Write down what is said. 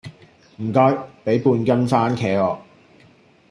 唔該，畀半斤番茄我